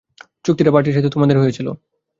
চুক্তিটা পার্টির সাথে তোমাদের হয়েছিল।